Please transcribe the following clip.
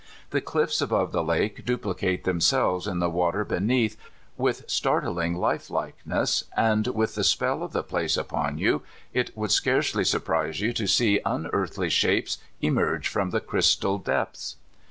The cliffs above the lake duj)licate themselves in the water beneath with startling life likeness, and with the spell of the place upon you it would scarcely sur prise you to see unearthly shapes emerge from the crystal depths, glittering in celestial beauty.